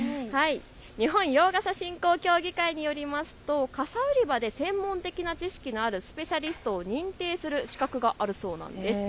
日本洋傘振興協議会によりますと傘売り場で専門的な知識があるスペシャリストを認定する資格があるそうなんです。